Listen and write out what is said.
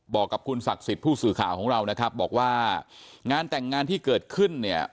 บอกกับคุณศักดิ์สิทธิ์ผู้สื่อข่าวของเรานะครับบอกว่างานแต่งงานที่เกิดขึ้นเนี่ย